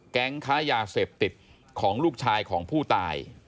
ค้ายาเสพติดของลูกชายของผู้ตาย